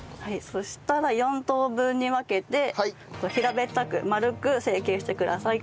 そしたら４等分に分けて平べったく丸く成形してください。